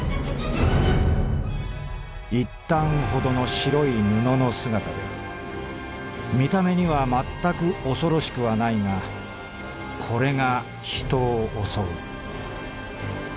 「一反ほどの白い布の姿で見た目にはまったく恐ろしくはないがこれが人を襲う。